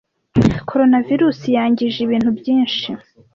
Coronavirusi yangije ibintu byinshi.